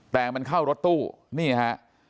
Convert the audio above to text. แต่มันเข้ารถตู้นี่ฮะ